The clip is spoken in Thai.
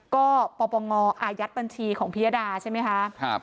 ก็ปปงอายัดบัญชีของพิยดาใช่ไหมคะ